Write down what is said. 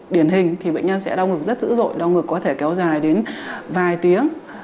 điển hình thì bệnh nhân sẽ đau ngực rất dữ dội đau ngực có thể kéo dài đến vài tiếng